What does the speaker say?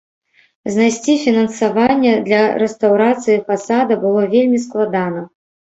Знайсці фінансаванне для рэстаўрацыі фасада было вельмі складана.